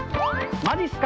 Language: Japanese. まじっすか。